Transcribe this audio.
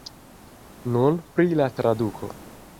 Nun pri la traduko.